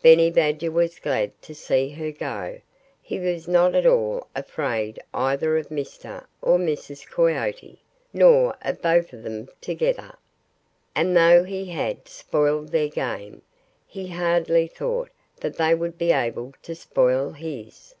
Benny Badger was glad to see her go. He was not at all afraid either of Mr. or Mrs. Coyote nor of both of them together. And though he had spoiled their game, he hardly thought that they would be able to spoil his.